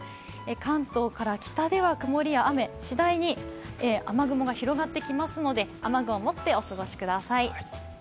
関東から北では曇りや雨、しだいに雨雲が広がってきますので雨具を持ってお過ごしください。